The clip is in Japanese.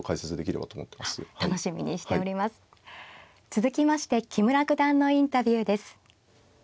続きまして木村九段のインタビューです。